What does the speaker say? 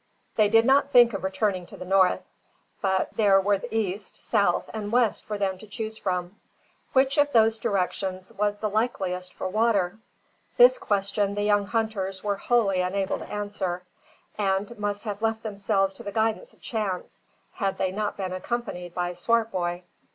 They did not think of returning to the north; but there were the east, south, and west for them to choose from. Which of those directions was the likeliest for water? This question the young hunters were wholly unable to answer, and must have left themselves to the guidance of chance, had they not been accompanied by Swartboy.